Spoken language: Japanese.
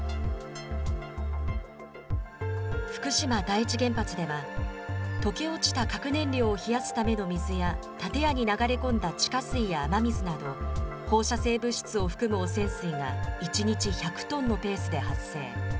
福島第一原発では、溶け落ちた核燃料を冷やすための水や建屋に流れ込んだ地下水や雨水など、放射性物質を含む汚染水が１日１００トンのペースで発生。